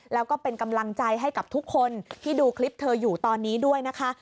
แล้วก็เป็นกำลังใจให้กับทุกคนที่ดูคลิปเธออยู่ตอนนี้ด้วยนะคะ